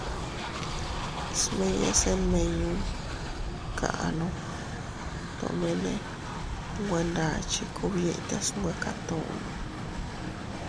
Smiñase nmiñon kaʼanu tomene nwe ndachi kub yitas nwe katunno.